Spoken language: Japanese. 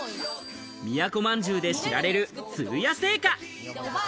都まんじゅうで知られる、つるや製菓。